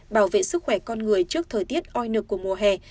bảo vệ sức khỏe con người trước thời tiết oi nực của mùa hè